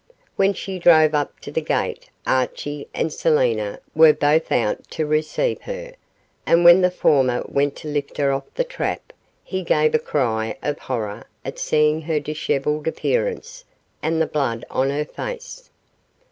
When she drove up to the gate Archie and Selina were both out to receive her, and when the former went to lift her off the trap, he gave a cry of horror at seeing her dishevelled appearance and the blood on her face.